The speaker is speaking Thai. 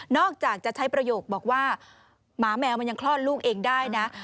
อกจากจะใช้ประโยคบอกว่าหมาแมวมันยังคลอดลูกเองได้นะ